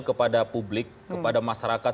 kepada publik kepada masyarakat